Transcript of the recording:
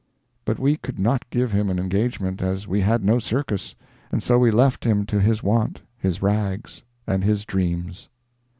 But we could not give him an engagement, as we had no circus, and so we left him to his want, his rags and his dreams.